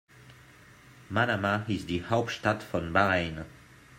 Manama ist die Hauptstadt von Bahrain.